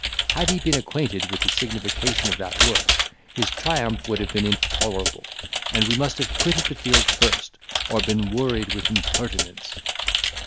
Had he been acquainted with the signification of that word, his triumph would have been intolerable, and we must have quitted the field first, or been worried with impertinence."